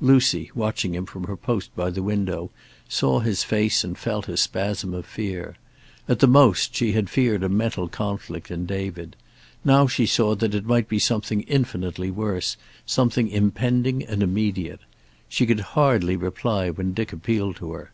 Lucy, watching him from her post by the window, saw his face and felt a spasm of fear. At the most, she had feared a mental conflict in David. Now she saw that it might be something infinitely worse, something impending and immediate. She could hardly reply when Dick appealed to her.